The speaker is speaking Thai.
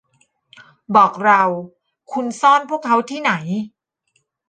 บอกเรา - คุณซ่อนพวกเขาที่ไหน